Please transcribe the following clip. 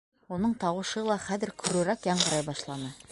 Уның тауышы ла хәҙер көрөрәк яңғырай башланы.